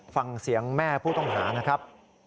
ฟังเสียงแม่ผู้ต้องหานะครับ